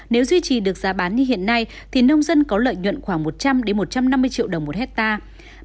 nếu duy trì được giá bán như hiện nay thì nông dân có lợi nhuận khoảng một trăm linh một trăm năm mươi triệu đồng một hectare